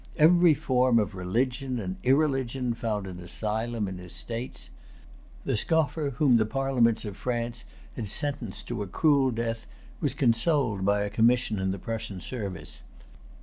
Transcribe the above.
Every form of religion and irreligion found an asylum in his states. The scoffer whom the parliaments of France had sentenced to a cruel death was consoled by a commission in the Prussian service.